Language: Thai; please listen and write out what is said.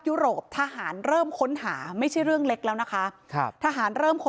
ยุโรปทหารเริ่มค้นหาไม่ใช่เรื่องเล็กแล้วนะคะครับทหารเริ่มคน